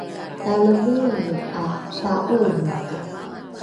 talemeleme ’a pa’oomake